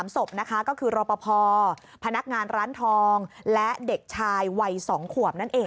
๓ศพนะคะก็คือรอปภพนักงานร้านทองและเด็กชายวัย๒ขวบนั่นเอง